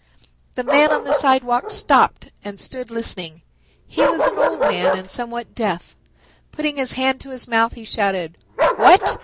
The man on the sidewalk stopped and stood listening. He was an old man and somewhat deaf. Putting his hand to his mouth, he shouted. "What?